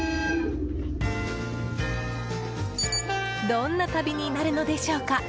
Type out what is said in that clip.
どんな旅になるのでしょうか。